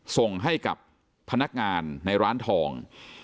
ส่งให้กับพนักงานในร้านทอง